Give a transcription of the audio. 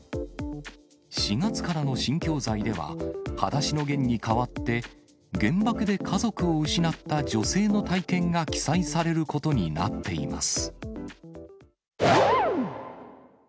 ４月からの新教材では、はだしのゲンに代わって、原爆で家族を失った女性の体験が記載されることになっています。